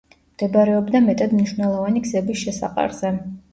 მდებარეობდა მეტად მნიშვნელოვანი გზების შესაყარზე.